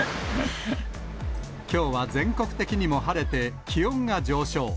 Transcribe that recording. きょうは全国的にも晴れて、気温が上昇。